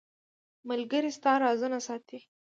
• ملګری ستا رازونه ساتي.